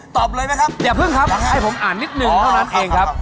ตอบเลยไหมครับอย่าเพิ่งครับให้ผมอ่านนิดนึงเท่านั้นเองครับ